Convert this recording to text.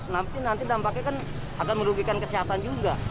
nanti dampaknya kan akan merugikan kesehatan juga